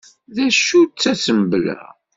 D acu-tt Assembla?